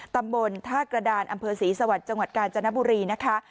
ตำบลท่ากระดานอำเภอศรีสวรรค์จังหวัดกาญจนบุรีนะคะ